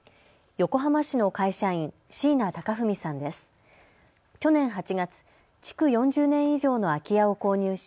横浜市の会社員、椎名高文さんです。